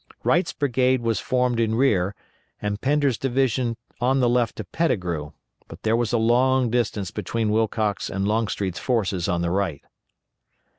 Wright's brigade was formed in rear, and Pender's division on the left of Pettigrew, but there was a long distance between Wilcox and Longstreet's forces on the right.